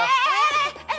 eh enggak enggak